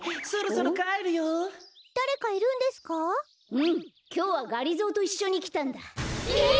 うんきょうはがりぞーといっしょにきたんだ。え！？